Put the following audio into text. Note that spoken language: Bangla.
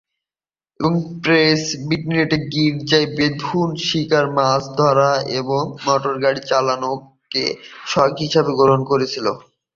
প্রেসবিটারিয়ান গির্জায়, বেথুন শিকার, মাছ ধরা এবং মোটরগাড়ি চালানোকে শখ হিসেবে গ্রহণ করেছিল।